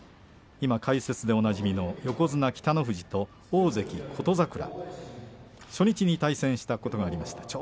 今解説でおなじみの横綱北の富士と大関琴櫻初日に対戦したことがありました。